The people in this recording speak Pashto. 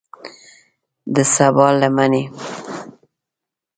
د سبا لمنې